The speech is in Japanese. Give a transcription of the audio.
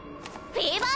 フィーバー！！